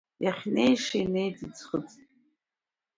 Иахьнеиша инеит, иӡхыҵит.